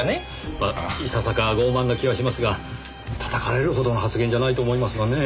まあいささか傲慢な気はしますが叩かれるほどの発言じゃないと思いますがねぇ。